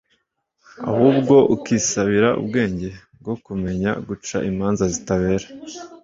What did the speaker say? ahubwo ukisabira ubwenge bwo kumenya guca imanza zitabera